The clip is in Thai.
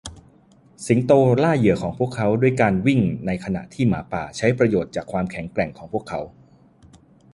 สิงโตล่าเหยื่อของพวกเขาด้วยการวิ่งในขณะที่หมาป่าใช้ประโยชน์จากความแข็งแกร่งของพวกเขา